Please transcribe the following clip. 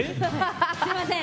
すみません。